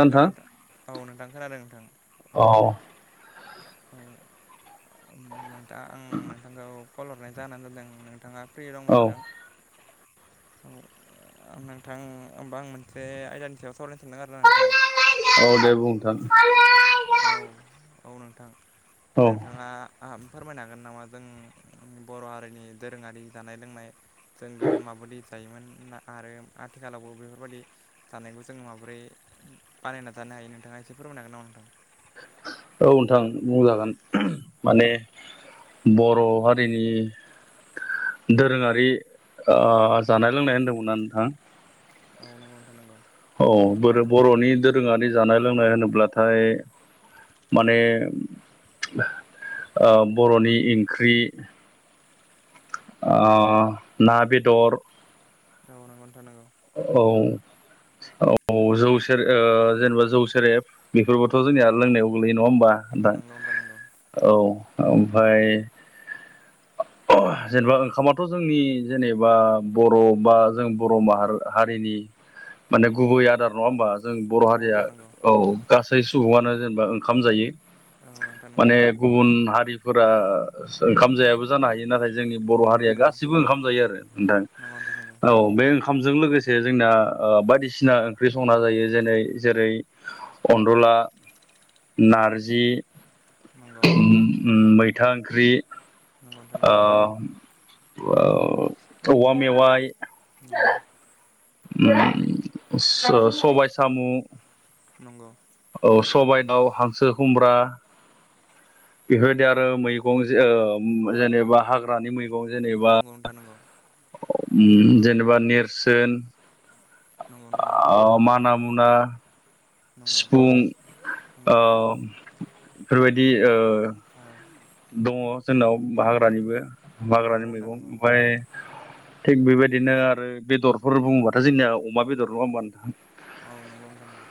हेल' नोंथां औव नोंथां खोनादों नोंथां। औ औव नोंथा आं नोंथांखौ कल हरनाय जाहोन आनो जादों नों नोंथाङा फ्रि दंबा औ नोंथां। औव नोंथां होमबा आं मोनसे आयदानि सायाव सावरायनो सानदों आरोना नोंथां औव दे बुं नोंथां। औव औव नोंथां औ नोंथाङा फोरमायनो हागोन नामा जों बर' हारिनि दोरोङारि जानाय लोंनाय जों गोदो माबायदि जायोमोन? आरो आथिखालावबो बेफोरबायदि जानायखौ जोङो माबोरै बानायना जानो हायो नोंथाङा फोरमायनो हागोन नामा नोंथां? औव नोंथां बुंजागोन औ माने बर' हारिनि दोरोङारि ओ जानाय लोंनाय होनदोंमोनना नोंथां। औव नोंगौ नोंथां नांगौ। औव ब बर'नि दोरोङारि जानाय लोंनाय होनोब्लाथाय माने ओ बर'नि ओंख्रि आ ना बेदर औव नोंगौ नोंथां नोंगौ। औव औव जौ सेर ओ जेनेबा जौ सेरेब बेफोरबोथ' जोंनिया लोंनायाव गोग्लैयो नंङा होमबा नंगौ नंगौ नोंथां औव ओमफ्राय [unintelligible] जेनेबा ओंखामाथ' जोंनि जेनेबा बर' बा जों बर' माहारि हारिनि माने गुबै आदार नंङा होमबा। जों बर' नंगौ हारिया नोंथां नंगौ औव गासै सुबुंआनो जेनेबा ओंखाम जायो। औ नोंथां नंगौ माने गुबुन हारिफोरा ओंखाम जायाबो जानो हायो नाथाय जोंनि नंगौ बर' हारिया नोंथां नंगौ गासिबो ओंखाम जायो आरो नोंथां नंगौ औव बे ओंखजों लोगोसे जोंना बायदिसिना ओंख्रि संना जायो जेरै जेरै अनदला ला नारजि नंगौ। मैथा ओंख्रि नंगौ औवा मेवाय नंगौ स सबाय सामु नंगौ। सबाय दाव हांसो खुमब्रा बेफोरबायदि आरो मैगं ओ जेनेबा हाग्रानि मै नंगौ नोंथां नंगौ। उम जेनेबा नेरसोन नंगौ नंगौ आ माना मुना नंगौ सिफुं ओ नंगौ अ बेफोरबायदि ओ औव दङ जोंनाव हाग्रानिबो नंगौ नोंथां बाग्रानि नंगौ नंगौ मैगं नंगौ ओमफाय थिग बेबायदिनो आरो बेदरफोर बुङोबाथ' जोंनिया अमा बेदर नंङा होनोमबानोंथां। औव नोंगौ नोंथां नोंगौ।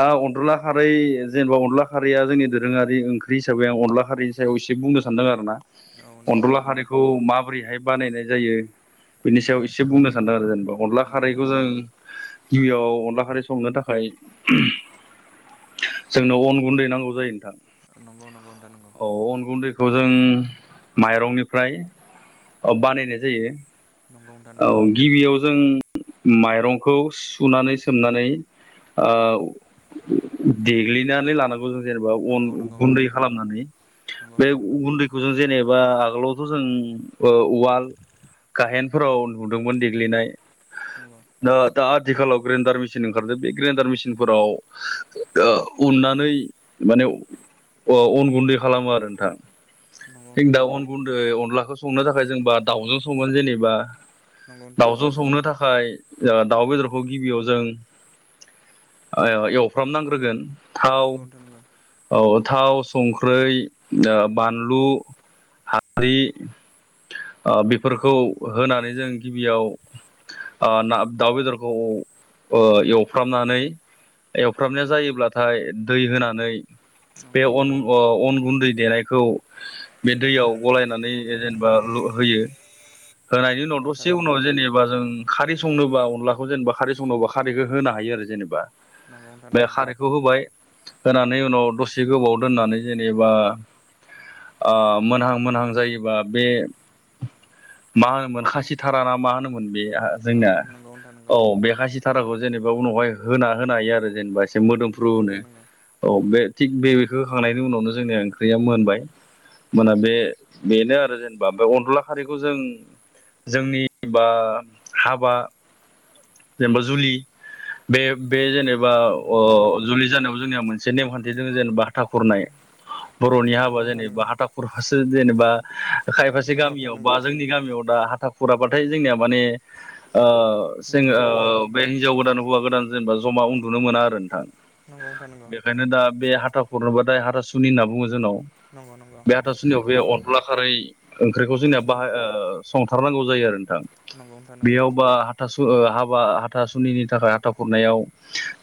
आ अनदला खारै जेनेबा अनला खारैया जोंनि दोरोङारि ओंख्रि हिसाबै आं अनला हारिनि सायाव एसे बुंनो सानदों आरो ना औ नंगौ नोंथां अनदला नंगौ हारिखौ औ माबोरैहाय बानायनाय जायो, बिनि नंगौ सायाव एसे बुंनो सानदों आरो जेनेबा अनला नोंथां खारैखौ जों गिबियाव अनला खारै संनो थाखाय जोंनो अन गुन्दै नांगौ जायो नोंथां नंगौ नंगौ नोंथां नंगौ। औ अन गुन्दैखौ जों माइरंनिफ्राय ओ बानायनाय जायो। नोंथां औ नंगौ गिबियाव जों माइरंखौ सुनानै सोमनानै ओ देग्लिनानै लानांगौ जों जेनेबा नंगौ अन नंगौ नोंथां गुन्दै नंगौ खालामनानै। नंगौ बे नोंथां गुन्दैखौ जों जेने बा आगोलावथ' जों ओ उवाल गाहेनफोराव नुदोंमोन नंगौ देग्लिनाय नंगौ दा- दा थिखालाव ग्रेन्डार मेसिन ओंखारदो बे ग्रेन्डार मेसिनफोराव उननानै माने अ अन गुन्दै खालामो आरो नोंथां नंगौ थिग नोंथां दा नंगौ अन गुन्दै अनलाखौ संनो थाखाय जोंबा दाउजों सङगोन जेनेब बा नंगौ नोंथां नंगौ दावजों संनो थाखाय ओ दाउ बेदरखौ गिबियाव जों ओ एवफ्रामनांग्रोगोन। नंगौ थाव नोंथां नंगौ औ थाव सं ख्रै बानलु हादलि ओ बेफोरखौ होनानै जों गिबियाव ओ ना दाउ बेदरखौ ओ एवफ्रामनानै एवफ्रामनाया जायोब्लाथाय दै होनानै बे नंगौ अन अ अन गुन्दै देनायखौ बे दैयाव गलायनानै नोंथां नंगौ नोंथां नंगौ नोंथां नंगौ ओ जेनेबा हो-होयो। होनायनि नंगौ उनाव दसे नोंथां नंगौ उनाव जेनेबा जों खारै संनोबा अनलाखौ जेनेबा खारै संनोबा खारैखौ होनो हायो आरो जेनेबा। नंगौ नोंथां बे नंगौ खारैखौ होबाय होनानै उनाव दसे गोबाव दोननानै जेनेबा ओ मोनहां मोनहां जायोबा बे मा होनोमोन खासि थाराना मा होनोमोन बे औ जोंना नंगौ नोंथां नंगौ औ बे खासि थाराखौ जेनेबा उनावहाय होना होनो हायोआरो जेनेबा एसे मोदोमफ्रु नंगौ होनो नोंथां नंगौ औ बे थिग बेखौ होखांनायनि उनावनो जोंनिया ओंख्रिया मोनबाय। मोना बे बेनो आरो जेनेबा ओमफ्राय अनदला खारिखौ जों जोंनि बा हाबा जेनेबा जुलि बे- बे जेनेबा बा ओ नंगौ नोंथां नंगौ अ' जुलि जानायाव जोंनिया मोनसे नेमखान्थि दङ जेनेबा हाथा खुरनाय। बर'नि नंगौ हाबा नोंथां जेनेबा हाथा खुरफसे जेनेबा खायफासे गामियाव नंगौ बा जोंनि गामियाव दा हाथा खुराबाथाय जोंनिया माने ओ जों नंगौ नोंथां ओ बे हिनजाव गोदान हौवा गोदान जेनेबा ज'मा उन्दुनो मोनाआरो नोंथां। नंगौ बेखायनो दा बे हाथा खुराबाथाय हा सुनि होनना बुङो जोंनाव नंगौ नोंथां नंगौ बे हाथासुनियाव बे अन्ला खारै ओंख्रिखौ जोंनिया नंगौ बाहाय ओ संथारनांगौ जायोआरो नोंथां नोंथां नंगौ बेयावबा हाथा ओ हाबा हाथासुनिनि थाखाय हाथा खुरनायाव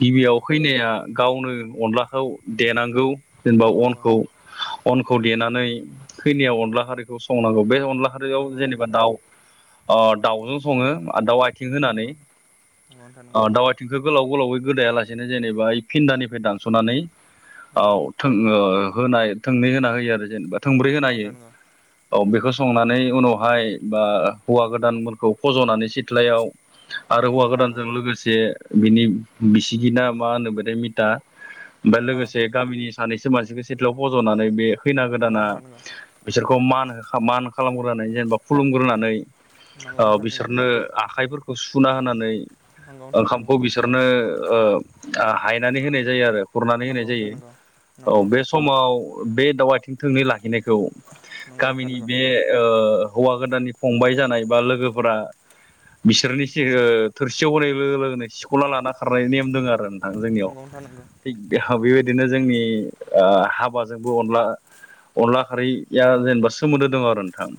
गिबियाव नंगौ खैनाया गावनो अनलाखौ देनांगौ। जेनेबा नंगौ अनखौ अनखौ देनानै खैनाया अनला हारिखौ संनांगौ बे नंगौ अलाहारियाव नोंथां जेनेबा नंगौ दाउ ओ दाउजों सङो दाउ आथिं होनानै। नंगौ नंगौ नोंथां नंगौ ओ दाव आइथिंखो गोलाव गोलावै गोदायालासेनो जेनेबा फिन्दानिफ्राय दानस'नानै औ नंगौ। थों ओ होनाय थोंनै होना होयो आरो जेनेबा थोंब्रै होना होयो नंगौ औ बेखौ संनानै उनावहाय बा हौवा गोदानमोनखौ फज'नानै सिथ्लायाव आरो नंगौ हौवा नोंथां नंगौ गोदानजों लोगोसे बिनि बिसिगि ना मा होनो [inaudible] मिता ओमफाय अ लोगोसे गामिनि सानैसो मानसिखौ सिथ्लाव फज'नानै बे खैना नंगौ गोदाना नोंथां नंगौ बिसोरखौ मान होखा मान खालामग्रोनानै जेनेबा खुलुमग्रोनानै ओ बिसोरनो आखाइफोरखौ सुुना होनानै नंगौ नोंथां नंगौ ओंखामखौ बिसोरनो ओ ओ हायनानै होनाय जायो आरो खुरनानै होनाय नंगौ जायो। नोंथां नंगौ औ बे नंगौ समाव बे दाव आथिं थोंनै लाखिनायखौ नोंथां गामिनि नंगौ बे ओ हौवा गोदाननि फंबाय जानाय बा लोगोफोरा बिसोरनि [unintelligible] थोरसियाव होनाय लोगो लोगोनो सिख'ना लाना खारनाय नेम दोङो आरो थां जोंनियाव। नंगौ थिग [unintelligible] बेबायदिनो जोंनि ओ हाबाजोंबो अनला अनला खारैया जेनेबा सोमोन्दो दङ' आरो नोंथां।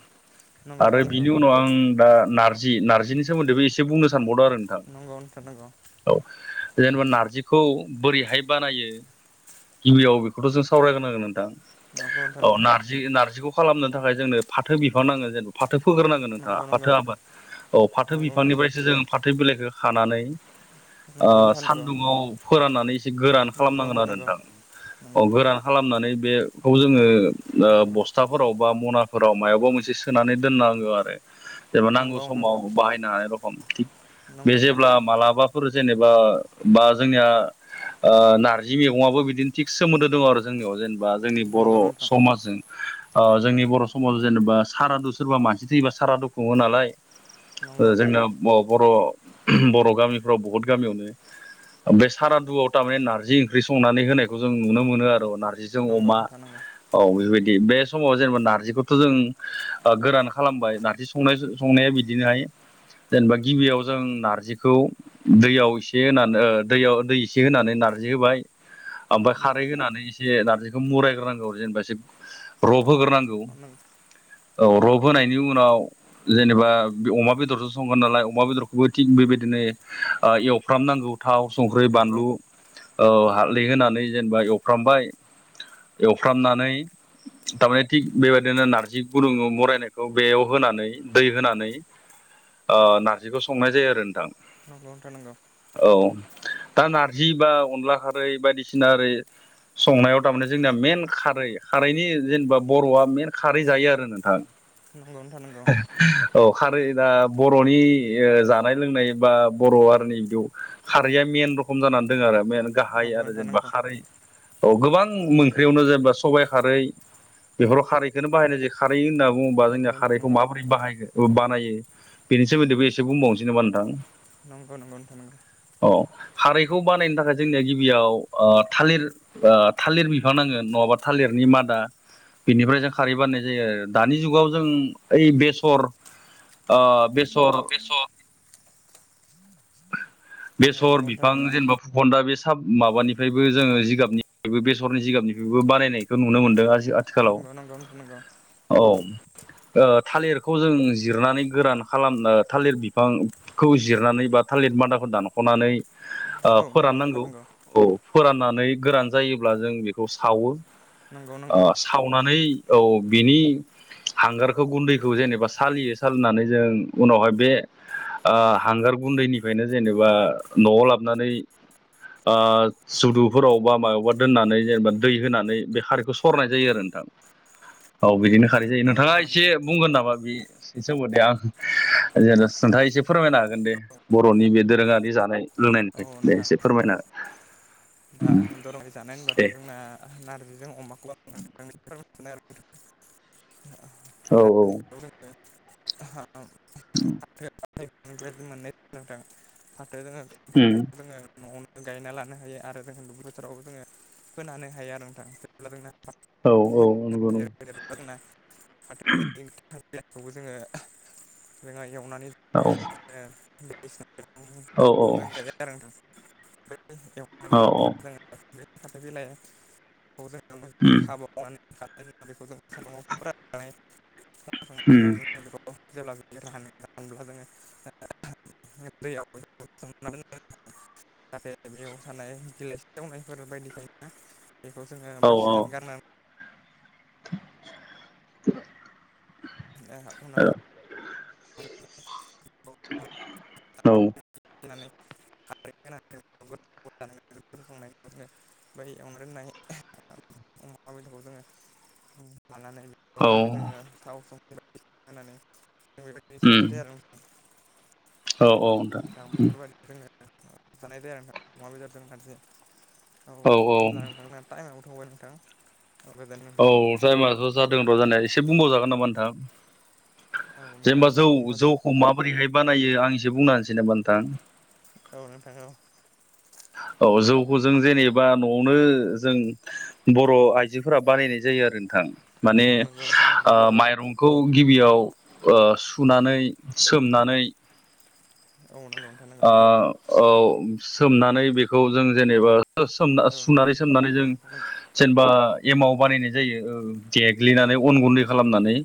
नंगौ आरो नोंथां नंगौ बिनि उनाव आं दा नार्जि। नार्जिनि सोमोन्दैबो एसे बुंनो सानबावदो आरो नोंथां नंगौ नोंथां नंगौ औ। जेनेबा नारजिखौ बोरैहाय बानायो गिबियाव बेखौथ' जों सावरायग्रोनांगोन नोंथां। नंगौ नोंथां औ नंगौ नारजि नारजिखौ खालामनो थाखाय जोंनो फाथो बिफां नांगो जेनेबा फा थो फोग्रोनांगोन नंगौ नोंथां नंगौ नोंथाङा नोंथां फाथो आबाद। औ फाथो नंगौ नंगौ नंगौ नोंथां नंगौ नोंथां नंगौ बिफांनिफ्रायसो जोङो फाथो बिलाइखो खानानै ओ नंगौ नोंथां नंगौ सान्दुंङाव फोराननानै एसे गोरान नंगौ खालामनांगोन आरो नंगौ नोंथां। औ नंगौ गोरान खालामनानै बेखौ जोङो ओ नंगौ बस्थाफोराव बा मना फोराव मायावबा मोनसे सोनानै दोननांगो आरो जेनेबा नांगौ नंगौ नोंथां समाव बाहायनो हानाय रखम थिक बे नंगौ जेब्ला मालाबाफोर जेनेबा बा जोंनिया ओ नारजि मेगङाबो बिदिनो थिक्स सोमोन्दो दं आरो जोंनियाव जेनेबा जोंनि बर' नंगौ नोंथां समाजजों। ओ जोंनि बर' समाजाव जेनेबा सारादु सोरबा मानसि थैयोबा सारादु खुङो नालाय नंगौ ओ जोंना बर' बर' गामिफ्राव बहुद गामियावनो बे सारादुआव तारमाने नारजि ओंख्रि संनानै होनायखौ जों नुनो मोनो आरो नारजिजों नंगौ अमा नोंथां नंगौ औ बेफोरबायदि बे समाव जेनेबा नारजिखौथ' जों ओ गोरान खालामबाय। नारजि संनाय संनाया बिदिनोहाय जेनेबा गिबियाव जों नारजिखौ दैयाव एसे होनानै दैयाव दै एसे होनानै नारजि होबाय [unintelligible] आमफाय खारै होनानै एसे नारजि खौ मुरायग्रोनांगौ जेनेबा एसे रब होग्रोनांगौ। नंगौ औ रब होनायनि उनाव जेनेबा अमा बेदरसो संगोन नालाय अमा बेदरखौबो थिग बेबायदिनो ओ एवफ्रामनांगौ थाव संख्रि नंगौ बानलु ओ हालदै होनानै जेनेबा एवफ्रामबाय एवफ्रामनानै तामाने थिग बेबायदिनो नारजि गुरुंङाव मरायनायखौ बेयाव होनानै दै होनानै ओ नारजिखौ संनाय जायो आरो नोंथां। नंगौ नोथां नंगौ। औ दा नारजि बा अनला खारै बायदिसिना ओरै संनायाव तामाने जोंनिया मेन खारै खारैनि जेनेबा बर'आ मेन खारै जायो आरो नोंथां। नंगौ नोथां नांगौ। औ खारै दा बर'नि ओ जानाय लोंनाय बा बर' हारिनि बेव खारैया मेन रखम जानानै दोङो आरो मेन गाहाय नंगौ आरो नोंथां जेनेबा नंगौ खारै औ गोबां ओंख्रैयावनो जेनेबा सबाइ खारै। बेफोराव खारैखोनो बाहायनाय जायो खारै होनना बुङोबा जोंनिया नंगौ नोंथां खारैखौ माबोरै बाहायो ओ बानायो बेनि सोमोन्दैबो एसे बुंबावनोसै नोमा नोंथां नंगौ नंगौ नोंथां नंगौ। औ खारैखौ बानायनो थाखाय जोंनिया गिबियाव थालिर थालिर बिफां नांगोन नङाबा थालिरनि मादा बिनिफ्राय जों खारै बारनाय जायो आरो दानि जुगाव जों ओइ बेसर आ बेस ओ बेस' बेसर नंगौ नोंथां बिफां नंगौ जेनेबा फुखन्दा बे साब माबानि ओमफ्रायबो जोङो जिगाबनिफ्रायबो बेसरनि जिगाबनिफ्रायबो बानायनायखौ नुनो मोनदों आरो आथिखालाव नंगौ नंगौ नोंथां नंगौ औ थालिरखौ जों जिरनानै गोरान खालामनो थालिर बिफांखौ जिरनानै बा थालिर मादाखौ दानख'नानै ओ औ नंगौ नोंथां फोराननांगौ नंगौ औ फोराननानै गोरान जायोब्ला जों बेखौ सावो नंगौ नंगौ ओ सावनानै औ बिनि हांगारखौ गुन्दैखौ जेनेबा सालियो सालिनानै जों उनावहाय बे ओ हांगार गुन्दैनिफ्रायनो जेनेबा न'आव लाबोनानै सुदुफोराव बा माबबा दोननानै जेनेबा दै होनानै बे खारैखौ सरनाय जायो आरो नोंथां औ बिदिनो खारै जायो नोंथाङा नोंथां एसे बुंगोन नामा बे एसेबो दे आं जेन नोंथाङा एसे फोरमायनो हागोन दे बर'नि बे दोरोङारि जानाय औ लोंनायनिफ्राय दे नोंथां एसे फोरमायनो हागोन दा आं दरंहाय जानाय होनबाथ' जोंना नारजिजों अमाखौ [unintelligible] औ ना [unintelligible] औ फाथोनिफ्राय मोननायां फाथो उम फाथो जोङो न'आवनो गायना लानो खोनानो हाया आरो नोंथां जेबा औ औ नंगौंगौ देरब्ला जोंना फाथोनि गोथां बिलाइखौबो जोङो जोङो एवनानै जायो औ आरो जोङो बायदिसिना औ औ दोनजायो आरो नोंथां बै एवना औ जाखांबा औ जोङो बे फाथो बिलाइखौ उम दा बेखौ जों सानदुंङाव फोराननाय ओम [unintelligible] दैयाव सोमना दोननानै जाहाथे बेयाव सानाय बिलाइसि एवनायफोर बायदिखायना बेखौ जोङो औ औ उम बासिनानै गारनानै [inaudible] ओ औ उनाव [unintelligible] औ [unintelligible] खांनाय बफ्राय एवनो दोननाय अमा बेदरखौ जोङो लानानै मखौ होनानै जोङो थाव संखै होनानै जों बेबायदि संनाय जायो आरो नोंथां औ नोंथां बेफोरबायदि रोङो जानाय जायो आरो नोंथां अमा बेदर जोंजादों नजि औ होमब्ला नंथांआ टाइमाव अबावहाय नोंथां औ गोजोनथों औ नोंथां जायमाथ' जादों र' जानाया एसे बुंबावजागोन नामा नोंथां औ नोंथां जेनेबा जौ बुंबा जौखौ माबोरैहाय बानायो आं एसो बुंनासै नामा नोंथां ओव नोंथां ओव औ जौखौ जों जेनेबा न'आवनो जों बर' आइजोफोरा बानायनाय जायो आरो नोंथां माने औ नंगौ नोंथां नंगौ ओ माइरंखौ गिबियाव ओ सुनानै सोमनानै औ नांगौ नोंथानांगौ औ सोमनानै बेखौ जों जेनेबा ओ सोमना औ सुनानै सोमनानै नंगौ जों नोंथां नंगौ जेनेबा एमाव बानायनाय जायो ओ देग्लिनानै अन गुन्दै खालामनानै।